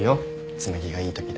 紬がいいときで。